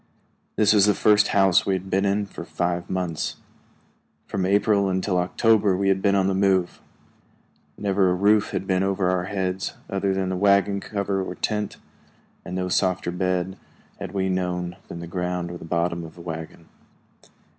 This was the first house we had been in for five months. From April until October we had been on the move. Never a roof had been over our heads other than the wagon cover or tent, and no softer bed had we known than the ground or the bottom of the wagon.